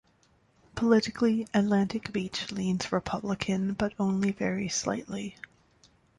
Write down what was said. Politically, Atlantic Beach leans Republican but only very slightly.